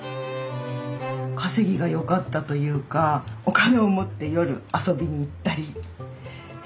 稼ぎが良かったというかお金を持って夜遊びに行ったりしてたっていう。